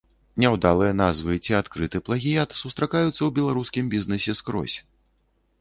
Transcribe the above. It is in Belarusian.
Няўдалыя назвы ці адкрыты плагіят сустракаюцца ў беларускім бізнэсе скрозь.